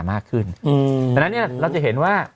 มากขึ้นดังนั้นเนี่ยเราจะเห็นว่า